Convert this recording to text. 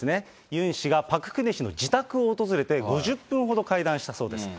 ユン氏がパク・クネ氏の自宅を訪れて、５０分ほど会談したそうです。